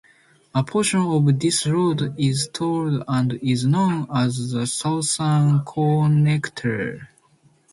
A portion of this road is tolled and is known as the "Southern Connector".